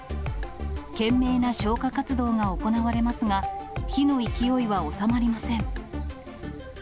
懸命な消火活動が行われますが、火の勢いは収まりません。